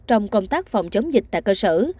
trong công tác phòng chống dịch tại cơ sở